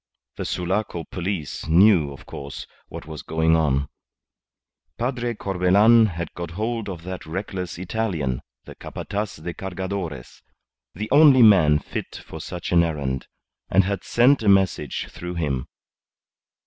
The Sulaco police knew, of course, what was going on. Padre Corbelan had got hold of that reckless Italian, the Capataz de Cargadores, the only man fit for such an errand, and had sent a message through him.